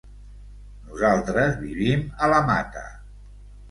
Nosaltres vivim a la Mata.